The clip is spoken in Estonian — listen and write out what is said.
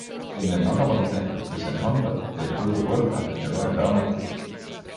Enne magama minekut pesen hambad, teen kodu korda ja loen raamatut.